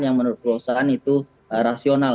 yang menurut perusahaan itu rasional